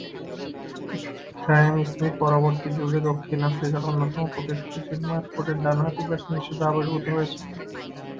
Graeme Smith পরবর্তী যুগে দক্ষিণ আফ্রিকার অন্যতম প্রতিশ্রুতিশীল মারকুটে ডানহাতি ব্যাটসম্যান হিসেবে আবির্ভূত হয়েছেন।